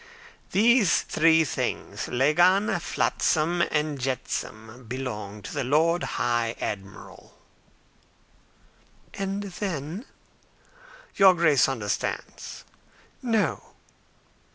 "These three things lagan, flotsam, and jetsam belong to the Lord High Admiral." "And then?" "Your Grace understands." "No."